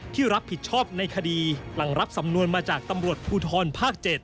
ที่รับผิดชอบในคดีหลังรับสำนวนมาจากตำรวจภูทรภาค๗